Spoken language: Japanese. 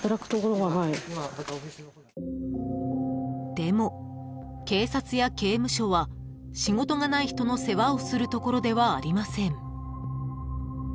［でも警察や刑務所は仕事がない人の世話をするところではありません］